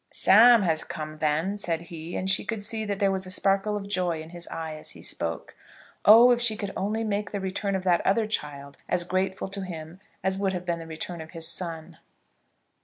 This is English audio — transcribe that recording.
"Sam has come, then?" said he; and she could see that there was a sparkle of joy in his eye as he spoke. Oh, if she could only make the return of that other child as grateful to him as would have been the return of his son!